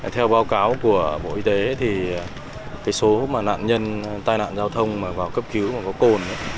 theo báo cáo của bộ y tế thì số nạn nhân tai nạn giao thông vào cấp cứu mà có côn